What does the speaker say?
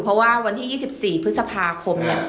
เพราะว่าวันที่ยี่สิบสี่พฤษภาคมเนี่ยอ่า